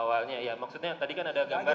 awalnya ya maksudnya tadi kan ada gambar